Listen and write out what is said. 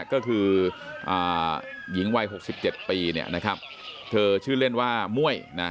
ก็คือหญิงวัย๖๗ปีเนี่ยนะครับเธอชื่อเล่นว่าม่วยนะ